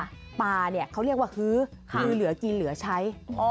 ปลาเนี่ยเขาเรียกว่าฮื้อคือเหลือกินเหลือใช้